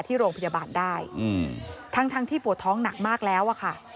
ที่โรงพยาบาลได้ทั้งที่ปวดท้องหนักมากแล้วอะค่ะ